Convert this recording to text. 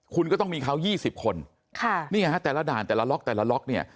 คุณก็ต้องมีเขา๒๐คนค่ะนี่ฮะแต่ละด่านแต่ละล็อกแต่ละล็อกเนี่ย